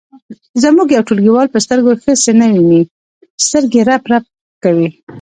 زموږ یو ټولګیوال په سترګو ښه څه نه ویني سترګې یې رپ رپ کوي.